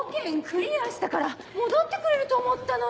クリアしたから戻ってくれると思ったのに。